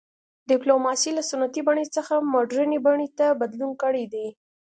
ډیپلوماسي له سنتي بڼې څخه مډرنې بڼې ته بدلون کړی دی